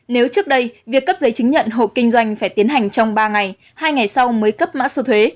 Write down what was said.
nếu trước đây việc cấp giấy chứng nhận hộ kinh doanh phải tiến hành trong ba ngày hai ngày sau mới cấp mã số thuế